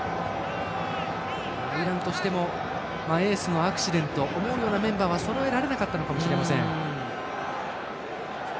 イランとしてもエースのアクシデント思うようなメンバーはそろえられなかったかもしれません。